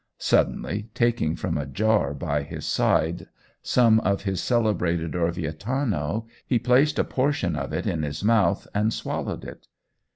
Suddenly, taking from a jar by his side some of his celebrated 'Orvietano,' he placed a portion of it in his mouth and swallowed it.